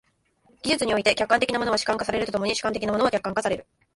技術において、客観的なものは主観化されると共に主観的なものは客観化される。